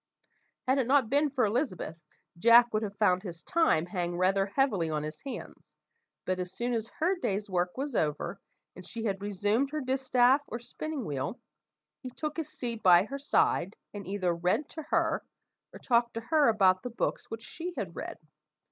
Had it not been for Elizabeth, Jack would have found his time hang rather heavily on his hands, but as soon as her day's work was over, and she had resumed her distaff or spinning wheel, he took his seat by her side, and either read to her, or talked to her about the books which she had read.